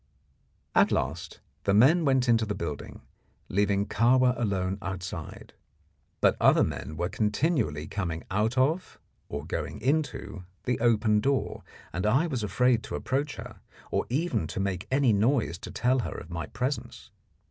At last the men went into the building, leaving Kahwa alone outside; but other men were continually coming out of, or going into, the open door, and I was afraid to approach her, or even to make any noise to tell her of my presence.